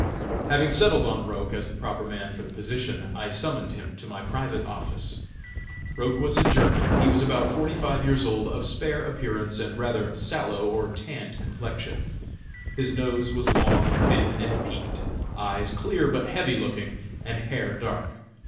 Having settled on Roch as the proper man for the position, I summoned him to my private office. Roch was a German. He was about forty five years old, of spare appearance and rather sallow or tanned complexion. His nose was long, thin and peaked, eyes clear but heavy looking, and hair dark.